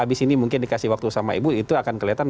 abis ini mungkin dikasih waktu sama ibu itu akan kelihatan